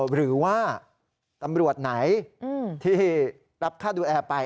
หรือว่าตำรวจไหนที่รับค่าดูแลไป